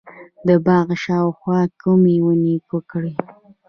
د باغ شاوخوا کومې ونې وکرم؟